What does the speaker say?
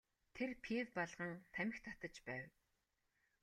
Тэр пиво балган тамхи татаж байв.